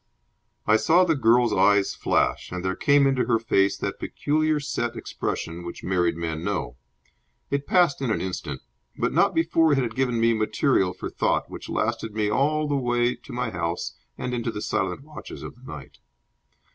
I saw the girl's eyes flash, and there came into her face that peculiar set expression which married men know. It passed in an instant, but not before it had given me material for thought which lasted me all the way to my house and into the silent watches of the night.